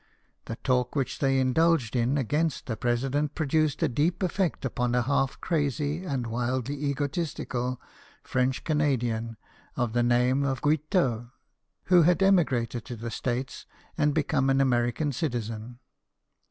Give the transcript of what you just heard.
The talk which they indulged in against the President produced a deep effect upon a half crazy and wildly ego tistic French Canadian of the name of Guiteau, who had emigrated to the States and become an American citizen.